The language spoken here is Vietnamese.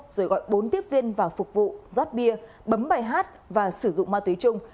rồi gọi bốn tiếp viên vào phục vụ rót bia bấm bài hát và sử dụng ma túy chung